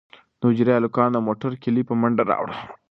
د حجرې هلکانو د موټر کیلي په منډه راوړه.